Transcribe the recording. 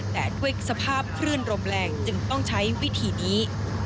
แต่ด้วยสภาพคลื่นลมแรงจึงต้องใช้วิธีนี้